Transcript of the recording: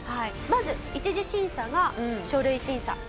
まず１次審査が書類審査。